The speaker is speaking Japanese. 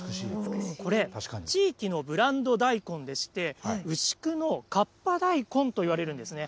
これ、地域のブランド大根でして、牛久の河童大根といわれるんですね。